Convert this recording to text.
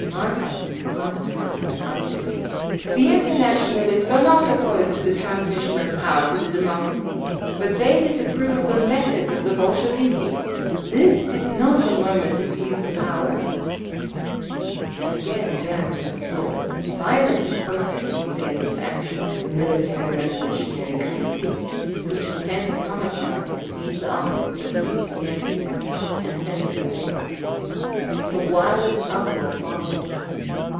Martov, constantly interrupted: "The Internationalists are not opposed to the transmission of power to the democracy, but they disapprove of the methods of the Bolsheviki. This is not the moment to seize the power…." Again Dan took the floor, violently protesting against the action of the Military Revolutionary Committee, which had sent a Commissar to seize the office of Izviestia and censor the paper. The wildest uproar followed.